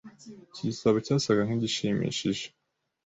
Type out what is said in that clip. Iki gitabo cyasaga nkigishimishije .